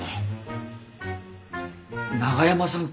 長山さん